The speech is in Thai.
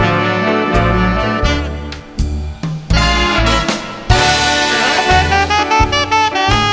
เราก็มีพลังทุกจิตเดียว